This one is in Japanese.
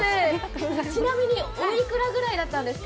ちなみにおいくらぐらいだったんですか？